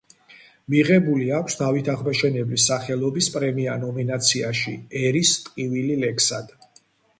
მიღებული აქვს დავით აღმაშენებლის სახელობის პრემია ნომინაციაში „ერის ტკივილი ლექსად“.